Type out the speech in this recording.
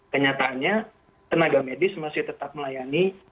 kenyataannya tenaga medis masih tetap melayani